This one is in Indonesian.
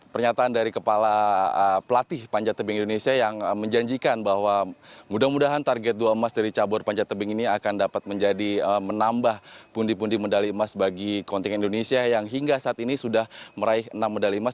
pernyataan dari kepala pelatih panjat tebing indonesia yang menjanjikan bahwa mudah mudahan target dua emas dari cabur panjat tebing ini akan dapat menjadi menambah pundi pundi medali emas bagi kontingen indonesia yang hingga saat ini sudah meraih enam medali emas